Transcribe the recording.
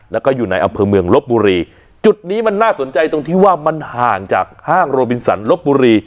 แล้วก็อยู่ในอำเภอเมืองลบบุรีจุดนี้มันน่าสนใจตรงที่ว่ามันห่างจากห้างโรบินสันลบบุรี